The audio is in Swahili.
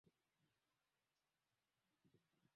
inayotumika kuwaondoa viongozi madarakani